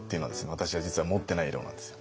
私は実は持ってない色なんですよ。